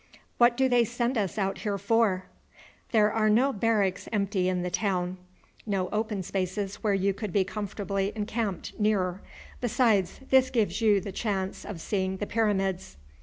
"What do they send us out here for?" "There are no barracks empty in the town, no open spaces where you could be comfortably encamped nearer. Besides, this gives you the chance of seeing the Pyramids."